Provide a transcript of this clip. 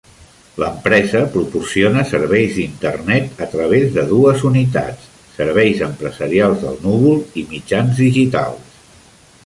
L'empresa proporciona serveis d'internet a través de dues unitats: Serveis Empresarials al Núvol i Mitjans Digitals.